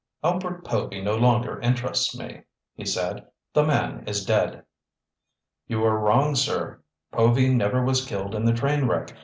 "Albert Povy no longer interests me," he said. "The man is dead." "You are wrong, sir. Povy never was killed in the train wreck.